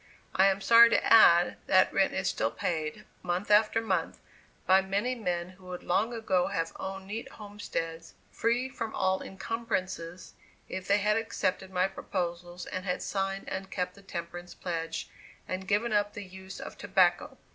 I am sorry to add, that rent is still paid, month after month, by many men who would long ago have owned neat homesteads, free from all incumbrances, if they had accepted my proposals and had signed and kept the temperance pledge, and given up the use of tobacco.